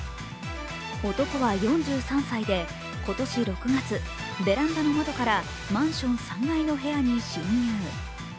男は４３歳で今年６月、ベランダの窓からマンション３階の部屋に侵入。